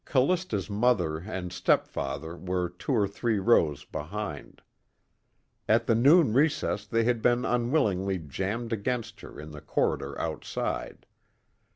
Callista's mother and stepfather were two or three rows behind. At the noon recess they had been unwillingly jammed against her in the corridor outside.